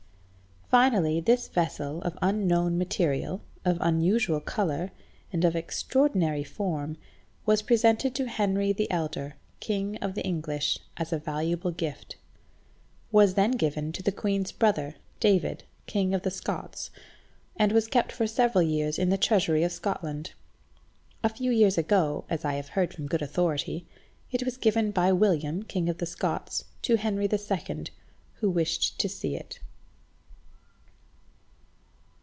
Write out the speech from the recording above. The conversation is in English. "Finally this vessel of unknown material, of unusual colour, and of extraordinary form, was presented to Henry the Elder, King of the English, as a valuable gift; was then given to the Queen's brother, David, King of the Scots, and was kept for several years in the treasury of Scotland. A few years ago, as I have heard from good authority, it was given by William, King of the Scots, to Henry the Second, who wished to see it."